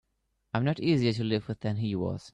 I'm not easier to live with than he was.